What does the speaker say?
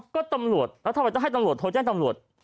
ก็ตำรวจโทรแจ้งก็ตำรวจ